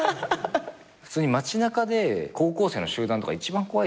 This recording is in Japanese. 普通に街中で高校生の集団とか一番怖いじゃないですか。